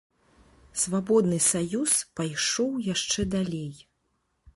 Свабодны саюз пайшоў яшчэ далей.